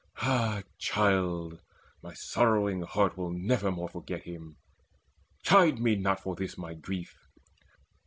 Ah child, my sorrowing heart will nevermore Forget him! Chide me not for this my grief.